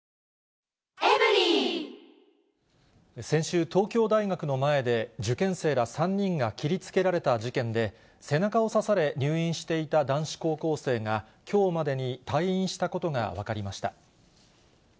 先週、東京大学の前で、受験生ら３人が切りつけられた事件で、背中を刺され、入院していた男子高校生が、きょうまでに退院したことが分かりました。